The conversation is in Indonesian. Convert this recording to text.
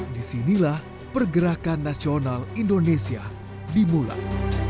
disinilah pergerakan nasional indonesia dimulai